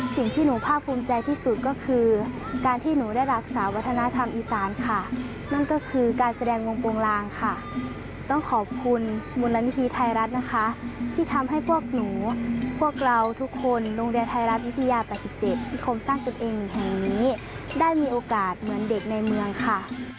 สิ่งที่หนูภาคภูมิใจที่สุดก็คือการที่หนูได้รักษาวัฒนธรรมอีสานค่ะนั่นก็คือการแสดงวงโปรงลางค่ะต้องขอบคุณมูลนิธิไทยรัฐนะคะที่ทำให้พวกหนูพวกเราทุกคนโรงเรียนไทยรัฐวิทยา๘๗นิคมสร้างตนเองแห่งนี้ได้มีโอกาสเหมือนเด็กในเมืองค่ะ